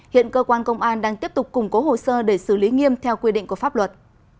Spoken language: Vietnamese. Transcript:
hiện cơ quan công an đang tiếp tục củng cố hồ sơ để xử lý nghiêm theo quy định của pháp luật